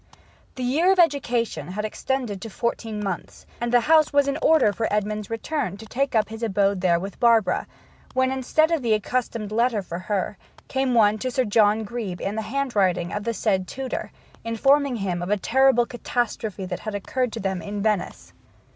The year of education had extended to fourteen months, and the house was in order for Edmond's return to take up his abode there with Barbara, when, instead of the accustomed letter for her, came one to Sir John Grebe in the handwriting of the said tutor, informing him of a terrible catastrophe that had occurred to them at Venice.